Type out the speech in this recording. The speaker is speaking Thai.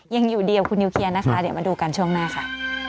ยังอยู่เดียวกับคุณนิวเคลียร์นะคะเดี๋ยวมาดูกันช่วงหน้าค่ะ